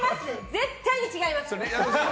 絶対に違います！